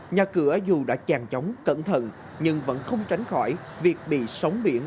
nhà cửa dù đã chàng trống cẩn thận nhưng vẫn không tránh khỏi việc bị sóng biển